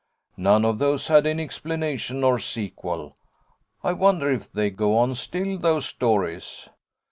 None of those had any explanation or sequel. I wonder if they go on still, those stories.'